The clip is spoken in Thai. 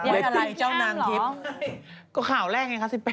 ว่าอะไรเจ้านางทิบเจ้านางหรอ